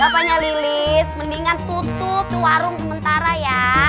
bapaknya lilis mendingan tutup warung sementara ya